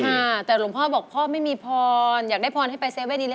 อ่าแต่หลวงพ่อบอกพ่อไม่มีพรอยากได้พรให้ไป๗๑๑